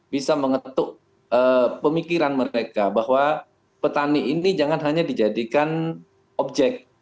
bisa mengetuk pemikiran mereka bahwa petani ini jangan hanya dijadikan objek